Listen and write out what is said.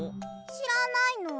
しらないの？